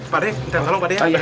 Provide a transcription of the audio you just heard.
pak de ntar tolong pak de ya